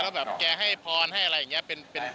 แบบแกให้พรให้อะไรอย่างนี้